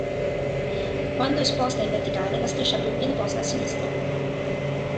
Quando esposta in verticale, la striscia blu viene posta a sinistra.